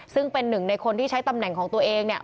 ซึ่งเป็นหนึ่งในคนที่ใช้ตำแหน่งของตัวเองเนี่ย